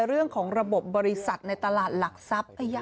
เรื่องของระบบบริษัทในตลาดหลักทรัพย์